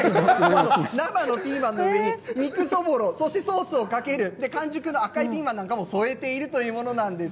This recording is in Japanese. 生のピーマンの上に肉そぼろ、そしてソースをかける完熟の赤いピーマンなんかも添えているというものなんです。